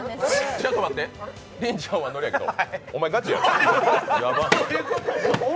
ちょっと待って、りんちゃんもそうだけど、お前ガチやろう。